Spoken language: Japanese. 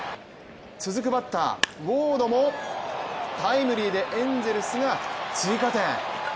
続くバッター、ウォードもタイムリーでエンゼルスが追加点。